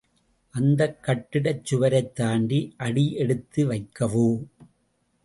அக்கட்டிடச் சுவரைத்தாண்டி அடியெடுத்து வைக்கவோ.